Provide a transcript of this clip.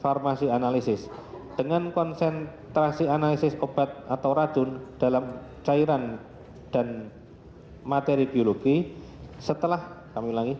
farmasi analisis dengan konsentrasi analisis obat atau racun dalam cairan dan materi biologi setelah kami ulangi